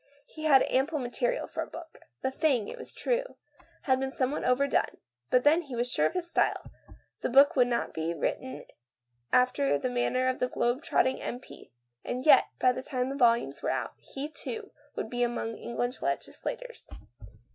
He had ample material for a book. The thing, it was true, had been somewhat overdone, but then he was sure of his style ; the book would not be written after the manner of the globe trotting M. P. And yet, by the time the volumes were out, he, too, would be among England's legislators.